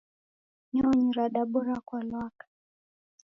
Nyonyi radabora kwa lwaka.